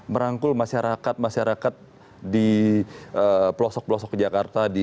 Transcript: merangkul masyarakat masyarakat di pelosok pelosok jakarta